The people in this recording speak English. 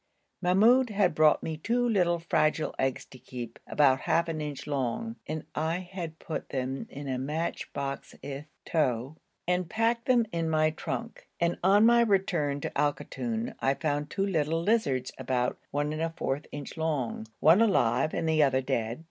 Mahmoud had brought me two little fragile eggs to keep, about half an inch long, and I had put them in a match box with tow and packed them in my trunk, and on my return to Al Koton I found two little lizards about 1¼ inch long, one alive and the other dead.